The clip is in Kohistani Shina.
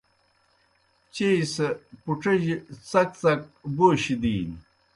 چیئی سہ پُڇِجیْ څک څک بوشیْ دِینیْ۔